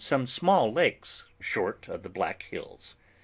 some small lakes, short of the Black Hills.